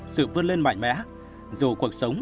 sự vươn lên mạnh mẽ dù cuộc sống